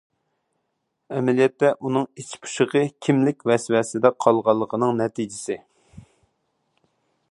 ئەمەلىيەتتە ئۇنىڭ ئىچ پۇشۇقى كىملىك ۋەسۋەسىسىدە قالغانلىقىنىڭ نەتىجىسى.